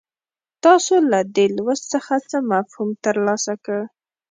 تاسو له دې لوست څخه څه مفهوم ترلاسه کړ.